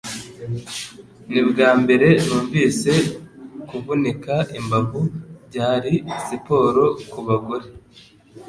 Nibwambere numvise kuvunika imbavu byari siporo kubagore